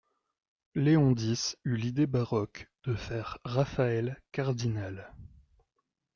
Léon dix eut l'idée baroque de faire Raphaël cardinal.